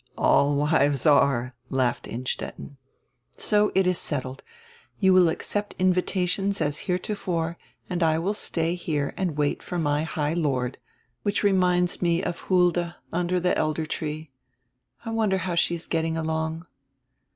"All wives are," laughed Innstetten. "So it is settled. You will accept invitations as here tofore, and I will stay here and wait for my 'High Lord,' which reminds me of Hulda under the elder tree. I wonder how she is getting along?"